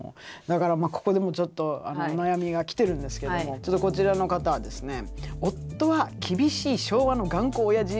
だからここでもちょっとお悩みが来てるんですけどもちょっとこちらの方はですね